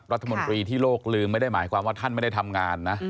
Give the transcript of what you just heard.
รัฐมนตรีที่โลกลืมไม่ได้หมายความว่าท่านไม่ได้ทำงานนะ